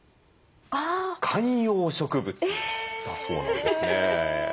観葉植物だそうですね。